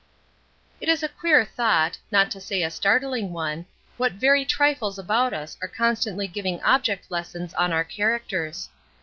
It is a queer thought, not to say a startling one, what very trifles about us are constantly giving object lessons on our characters.